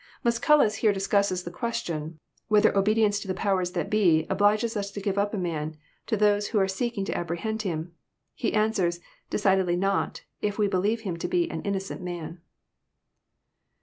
Musculus here discusses the question, whether obedience to the powers that be obliges us to give up a man to those who ftre seeking to apprehend him. He answers, *' Decidedly not; if we believe him to be an innocent man.